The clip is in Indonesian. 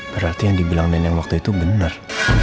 berarti yang dibilang neneng waktu itu benar